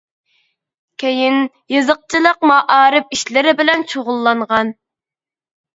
كېيىن، يېزىقچىلىق، مائارىپ ئىشلىرى بىلەن شۇغۇللانغان.